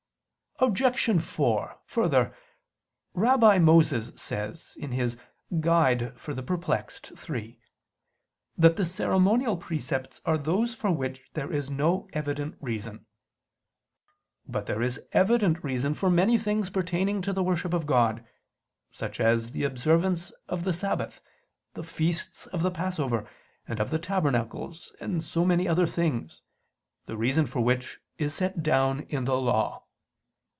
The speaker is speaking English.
Obj. 4: Further, Rabbi Moses says (Doct. Perplex. iii) that the ceremonial precepts are those for which there is no evident reason. But there is evident reason for many things pertaining to the worship of God; such as the observance of the Sabbath, the feasts of the Passover and of the Tabernacles, and many other things, the reason for which is set down in the Law.